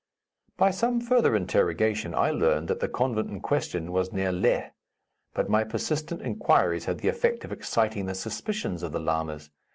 By some further interrogation I learned that the convent in question was near Leh, but my persistent inquiries had the effect of exciting the suspicions of the lamas.